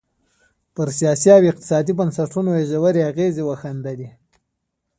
پر سیاسي او اقتصادي بنسټونو یې ژورې اغېزې وښندلې.